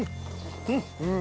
うん！